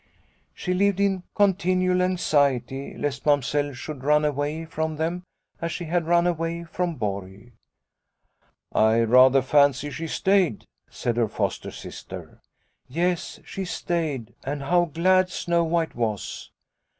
She lived in continual anxiety lest Snow White 49 Mamsell should run away from them as she had run away from Borg." " I rather fancy she stayed," said her foster sister. " Yes, she stayed, and how glad Snow White was.